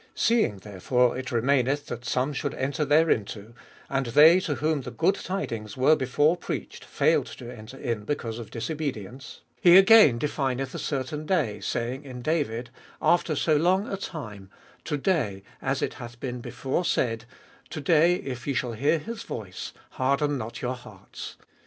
Seeing therefore it remaineth that some should enter thereinto, and they to whom the good tidings were before preached failed to enter in be cause of disobedience, 7. He again defineth a certain day, saying in David, after so long a time To day, as it hath been before said, To day if ye shall hear his voice, Harden not your hearts. 8.